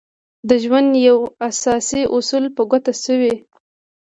د ژوند يو اساسي اصول په ګوته شوی.